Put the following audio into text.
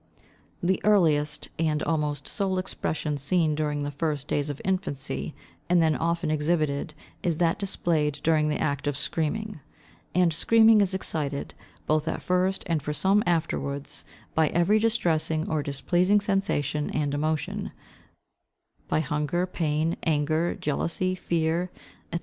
The earliest and almost sole expression seen during the first days of infancy, and then often exhibited is that displayed during the act of screaming; and screaming is excited, both at first and for some time afterwards, by every distressing or displeasing sensation and emotion,—by hunger, pain, anger, jealousy, fear, &c.